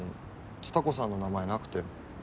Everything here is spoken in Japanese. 蔦子さんの名前なくて。